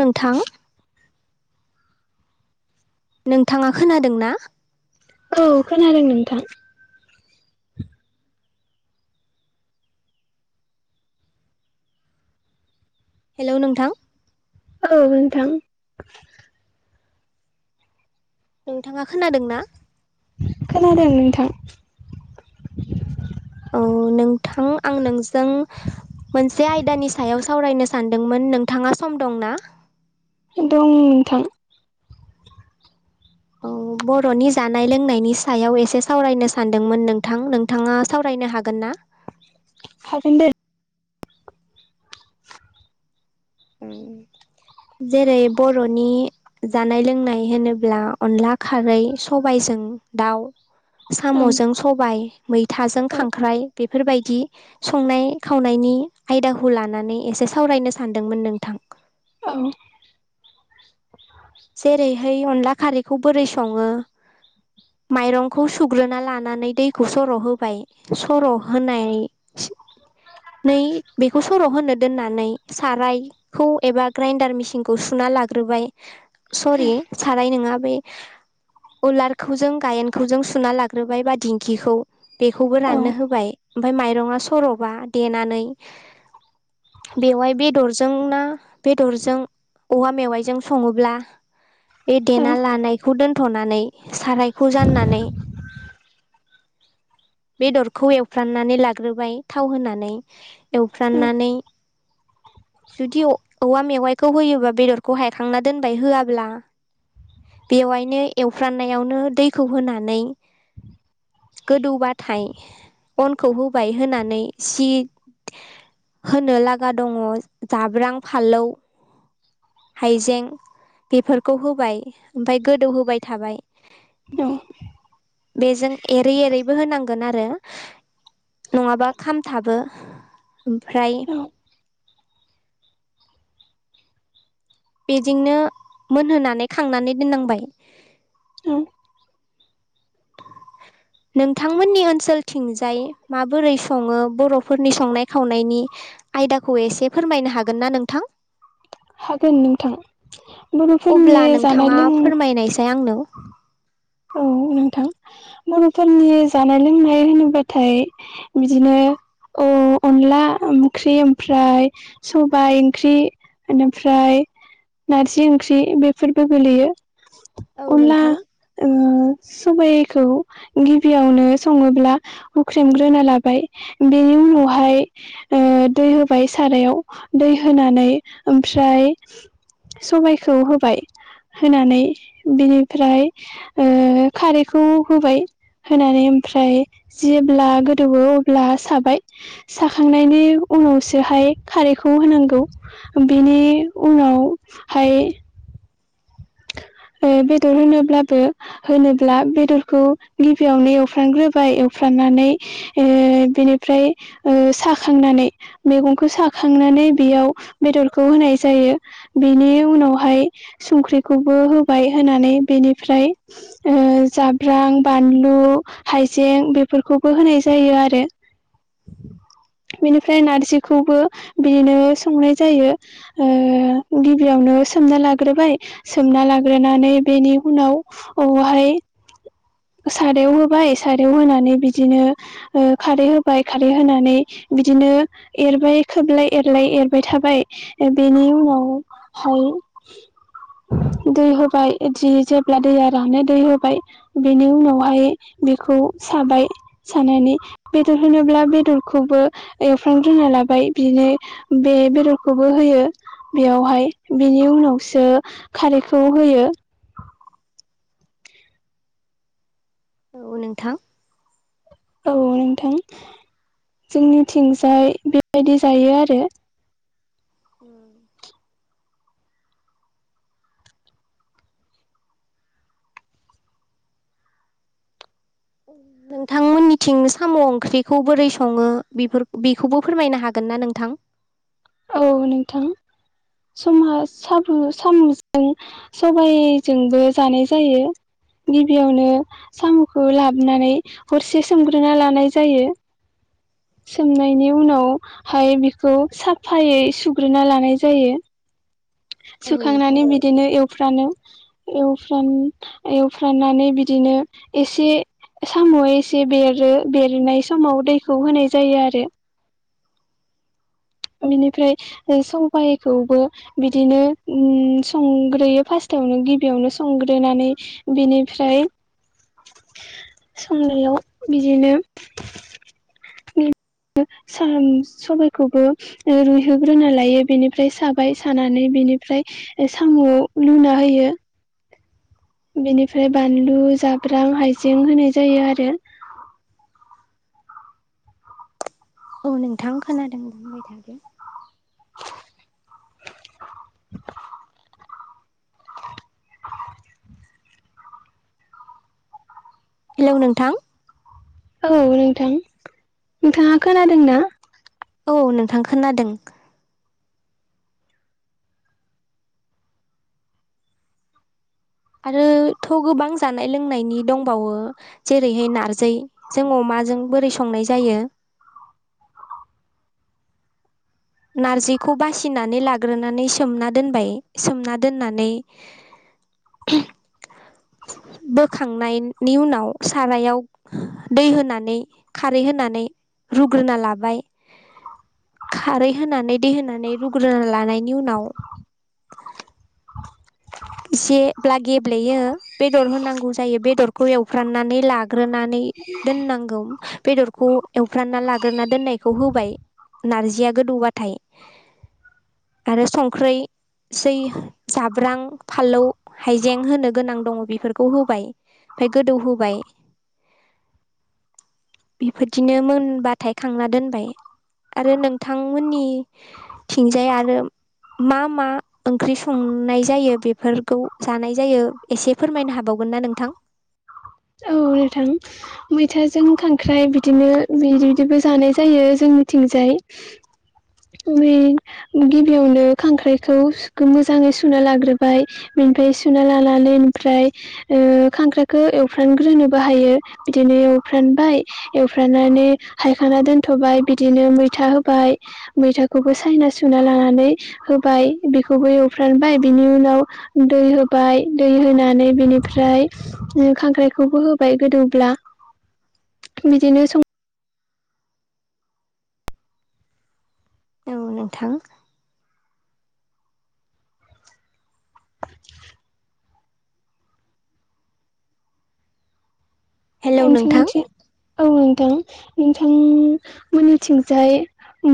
नोंथां नोंथांङा खोनादोंना औ खोनादों नोंथां हेलौ नोंथां औ नोंथां नोंथांङा खोनादों ना खोनादों नोंथां औ नोंथां आं नोंजों मोनसे आयदानि सायाव सावरायनो सानदोंमोन नोंथांङा सम दं ना दं नोंथां औ बर'नि जानाय लोंनायनि सायाव एसे सावरायनो सानदोंमोन नोंथां नोंथांङा सावरायनो हागोन ना हागोन दे उम जेरै बर'नि जानाय लोंनाय होनोब्ला अनला खारै सबायाइ सबायजों दाउ औ साम'जों सबाय मैथाजों औ खांख्राइ बेफोरबायदि संनाय खावनायनि आयदाखौ लानानै एसे सावरायनो सानदोंमोन नोंथां औ जेरैहाय अनला खारैखौ बोरै संङो माइरंखौ सुग्रोना लानानै दैखौ सर' होबाय सर' होनाय [unintelligible] नै बेखौ सर' होनो दोननानै सारायखौ एबा ग्राइडार मिसिनखौ सु सुना लाग्रोबाय सरि सारानाय नंङा बे उलारखौ जों गायेनखौ जों सुना लाग्रोबाय बा दिंखिखौ बेखौबो औ राननो होबाय ओमफ्राय माइरङा सर'बा देनानै बेवहाय बेदरजों ना बेदरजों औवा मेवाइजों संङोब्ला बे औ देना लानायखौ दोनथ'नानै सारायखौ जाननानै बेदरखौ एवफ्राननानै लाग्रोबाय थाव होनानै एवफ्राननानै [unintelligible] जुदि औवा मेवाइखौ होयोबा बेदरखौ हायखांना दोनबाय होआब्ला बेवहायनो एवफ्रानायावनो दैखौ होनानै गोदौबा थाइ अनखौ होबाय होनानै सि होनो लागा दंङो जाब्रां फालौ हायजें बेफोरखौ होबाय ओमफ्राय गोदौ होबाय थाबाय औ बेजों एरै एरैबो होनां गोन आरो नंङा खामथाबो ओमफ्राय [inaudible] औ बेजोंनो मोनहोनानै खांनानै दोननांबाय उम नोंथांमोननि ओनसोलथिंजाय माबोरै सङो बर'फोरनि संनाय खावनायनि आयदाखौ एसे फोरमायनो हागोन ना नोंथां? हागोन नोंथां। बर'फोरनि अब्ला जानाय नोंथाङा लों- फोरमायनायसाय आंनो औ नोंथां बर'फोरनि जानाय लोंनाय होनोब्लाथाय बिदिनो औ अनला ओंख्रि ओमफ्राय सबाइ ओंख्रि बेनिफ्राय नारजि ओंख्रि बेफोरबो गोलैयो औ अनला नोंथां ओ सबाइखौ गिबियावनो सङोब्ला हुख्रेमग्रोना लाबाय बे नि उनावहाय ओ दै होबाय सारायाव दै होनानै ओमफ्राय सबायखौ होबाय होनानै बिनिफ्राय ओ खारैखौ होबाय होनानै ओमफ्राय जेब्ला गोदौवो अब्ला साबाय साखांनायनि उनावसोहाय खारैखौ होनांगौ बिनि उनावहाय [inaudible] ओ बेदर होनोब्लाबो होनोब्ला बेदरखौ गिबियावनो एवफ्रामग्रोबाय एवफ्रा मनानै बेनिफ्राय ओ साखांनानै मेगनखौ साखांनानै बेयाव बेदरखौ होनाय जायो बेनि उनावहाय संख्रि खौबो होबाय होनानै बेनिफ्राय ओ जाब्रां बानलु हाय जें बेफोरखौबो होनाय जायो आरो। [inaudible] बिनिफ्राय नारजिखौबो बिदिनो संनाय जायो ओ गिबियावनो सोमना लाग्रोबाय सोमना लाग्रोनानै बेनि उनाव बावहाय सारायाव होबाय सारायाव होनानै बिदिनो ओ खारै होबाय खारै होनानै बिदिनो एरबाय खोबलाय एरलाय एरबाय थाबाय बेनि उनाव औ [inaudible] दै होबाय जि जेब्ला दैया रानो दै होबाय बिनि उनावहाय बे खौ साबाय सानानै बेदर होनोब्ला बेदरखौबो एवफ्रांग्रोना लाबाय बिदिनो बे बेदरखौबो होयो बेयावहाय बिनि उनावसो खारैखौ होयो। औ नोंथां। औ नोंथां। जोंनिथिंजाय बेबायदि जायो आरो। उम नोंथांमोननिथिं साम' ओंख्रिखौ बोरै सङो बेफोर बेखौबो फोरमायनो हागोन ना नोंथां औ नोंथां समहा साबु साम'जों सबायजोंबो जानाय जायो। गिबियावनो साम'खौ लाबोनानै हरसे सोमग्रोना लानाय जायो। सोमनायनि उनावहाय बिखौ साफायै सुग्रोना लानाय जायो। औ नोंथां सुखांनानै बिदिनो एव फ्रानो एवफ्राम एवफ्रामनानै बिदिनो एसे साम' एसे बेरो बेरनाय समाव दैखौ होनाय जायो आरो बिनिफ्राय सबाइखौबो बिदिनो संग्रोयो फार्स्ट दावनो गिबियावनो संग्रोनानै बिनिफ्राय संनायाव बिदिनो स सबाइखौबो रुइहोग्रोना लायो बेनिफ्राय साबाय सानानै बिनिफ्राय साम'आव लुना [unintelligible] बेनिफ्राय बानलु जाब्रां हायजें होनाय जायो आरो औ नोंथां खोनादों बुंबाय थादो [unintelligible] हेलौ नोंथां औ नोंथां नोंथाङा खोनादों ना औ नोंथां खोनादों आरो थ' गोबां जानाय लोंनायनि दंबावो जेरैहाय नारजि जों अमा जों बोरै संनाय जायो नारजिखौ बासिनानै लाग्रोनानै सोमना दोनबाय सोमना दोननानै [inaudible] बोखांनायनि उनाव सारायाव दै होनानै खारै होनानै रुग्रोना लाबाय खारै होनानै दै होनानै रुग्रोना लानायनि उनाव एसेब्ला गेब्लेयो बेदर होनांगौ जायो बेदरखौ एवफ्राननानै लाग लाग्रोनानै दोननांगौ बेदरखौ एवफ्रानना लाग्रोना दोननायखौ होबाय नारजिआ गोदौबाथाय आरो संख्रैसै जाब्रां फानलौ हाइजें होनो गोनां दङ बेफोरखौ होबाय ओमफ्राय गोदौ होबाय बेफोरदिनो मोनबाथाय खांना दोनबाय आरो नोंथांमोननि थिंजाय आरो मा मा ओंख्रि संनाय जायो बे फोरफोरखौ जानाय जायो एसे फोरमायनो हाबावगोन ना नोंथां औ नोंथां मैथाजों खांख्राइ बिदिनो बि बिदिबो जानाय जायो जों निथिंजाय ओमफ्राय गिबियावनो खांख्राइखौ मोजाङै सुना लाग्रोबाय मफ्राय सुना लानानै ओमफ्राय खांख्राखौ एवफ्रानग्रोनो बाहायो बिदिनो एवफ्रानबाय एवफ्रामनानै हायखांना दोनथ'बाय बिदिनो मैथा होबाय मैथाखौबो सायना सुना लानानै होबाय बेखौबो एव फ्रानबाय बिनि उनाव दै होबाय दै होनानै बिनिफ्राय खांख्राइखौबो होबाय गोदौब्ला बिदिनो सं औ नोंथां हेलौ नोंथां नोंसोरनिथिं औ नोंथां नोंथां मोननिथिंजाय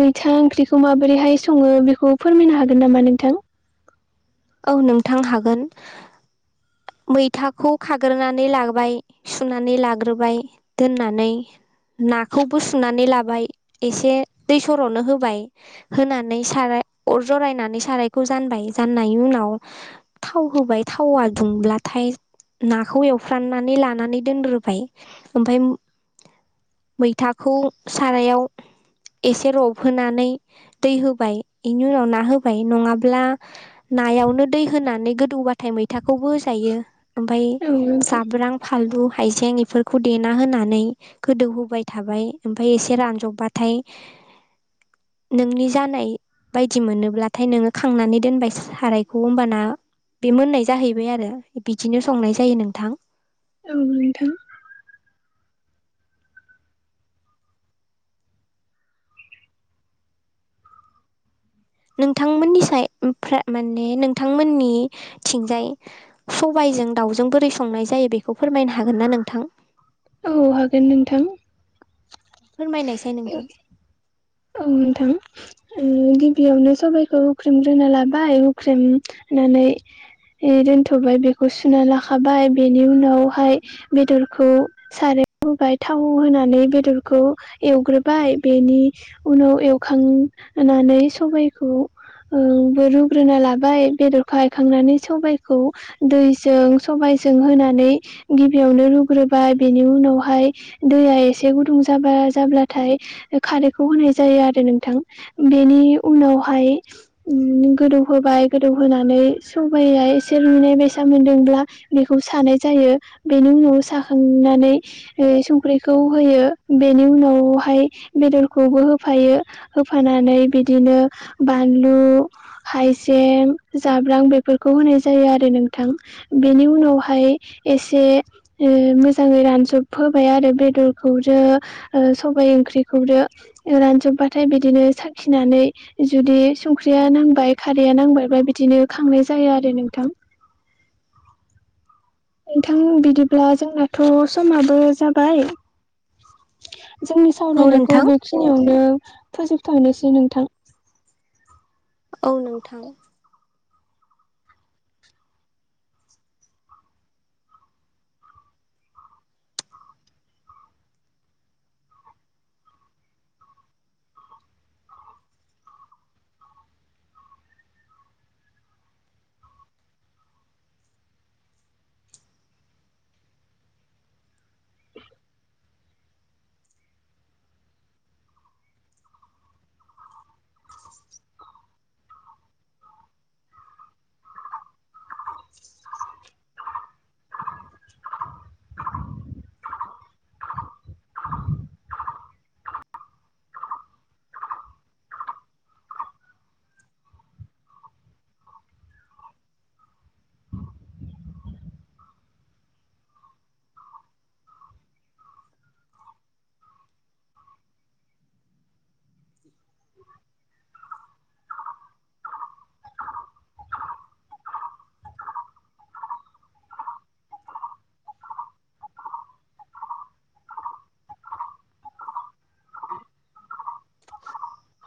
मैथा ओंख्रिखौ माबोरैहाय सङो बेखौ फोरमायनो हागोन नामा नोंथां औ नोंथां हागोन मैथाखौ खाग्रोनानै लाबाय सुनानै लाग्रोबाय दोननानै नाखौबो सुनानै लाबाय एसे दै सर'नो होबाय होनानै साराय अर जरायनानै सारायखौ जानबाय जाननाय नि उनाव थाव होबाय थावा दुंब्लाथाय नाखौ एवफ्राननानै लानानै दोनग्रोबाय ओमफाय मैथाखौ सारायाव एसे रबहोनानै दै होबाय बेनि उनाव ना होबाय नङाब्ला नायावनो दै होनानै गोदौबाथाय मैथाखौबो होजायो ओमफ्राय औ नोंथां जाब्रां फानलु हाइजें इफोरखौ देना होनानै गोदौहोबाय थाबाय ओमफ्राय एसे रानजबबाथाय। नोंनि जानाय बायदि मोनोब्लाथाय नोङो खांनानै दोनबायस सारायखौ होनबाना बे मोननाय जाहैबाय आरो बिदिनो संनाय जायो नोंथां। औ नोथां। नोंथांमोननि साय माने नोंथांमोननिथिंजाय सबाय [unintelligible] दाउजों बोरै संनाय जायो बेखौ फोरमायनो हागोन ना नोंथां? औ हागोन नोंथां। फोरमायनायसाय नोंथां औ नोंथां। गिबियावनो सबाइखौ हुख्रेमग्रोना लाबाय हुख्रेम होननानै दोनथ'बाय बेखौ सुना लाखाबाय बेनि उनावहाय बेदरखौ सारा याव होबाय थाव होनानै बेदरखौ एवग्रोबाय बेनि उनाव एवखांनानै सबाइखौ बो रुग्रोना लाबाय बेदरखौ हायखांनानै सबाइखौ दैजों सबाइ जों होनानै गिबियावनो रुग्रोबाय बेनि उनावहाय दैया एसे गुदुं जाबा। जाब्लाथाय खारैखौ होनाय जायो आरो नोंथां बेनि उनावहाय गोदौ होबाय गोदौ होनोनानै सबाइया एसे रुनाय बेसा मोनदोंब्ला बेखौ सा नाय जायो बेनि उनाव साखांनानै संख्रिखौ होयो बेनि उना वहाय बेदरखौबो होफायो होफानानै बिदिनो बानलु हाइजें जाब्रां बेफोरखौ होनाय जायो आरो नोंथां बेनि उनावहाय एसे मोजाङै रानजोब होबाय आरो बेदरखौ जो ओ सबाय ओंख्रिखौबो रानजोबबाथाय बिदिनो साखिनानै जुदि संख्रि या नांबाय खारैया नांबाय बा बिदिनो खांनाय जायो आरो नोंथां। नोंथां बिदिब्ला जोंनाथ' समाबो जाबाय। जोंनि औ सावरायनायखौ नोंथां बेखिनियावनो फोजोबथ'नोसै नोंथां। औ नोंथां। [inaudible] [inaudible] [inaudible] [inaudible] [inaudible] [inaudible]